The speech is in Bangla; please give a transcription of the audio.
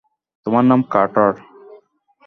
তোমার নাম কার্টার।